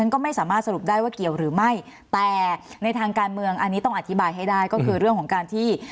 ก็คือเรื่องของการที่